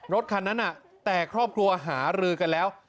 รถคันนั้นแต่ครอบครัวหารือกันแล้ว